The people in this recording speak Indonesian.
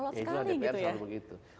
alot sekali gitu ya